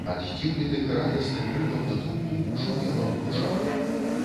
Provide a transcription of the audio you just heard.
Ад здзіўленых і радасных крыкаў натоўпу шумела ў вушах.